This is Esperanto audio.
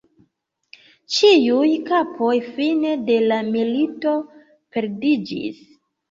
Ĉiuj kapoj fine de la milito perdiĝis.